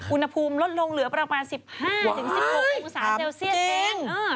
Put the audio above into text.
อุณหภูมิลดลงเหลือประมาณ๑๕๑๖องศาเซลเซียสเอง